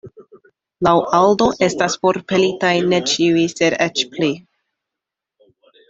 Laŭ Aldo estas forpelitaj ne ĉiuj sed eĉ pli.